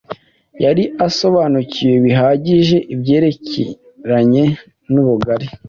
Yari asobanukiwe bihagije ibyerekeranye n’ “ubugari,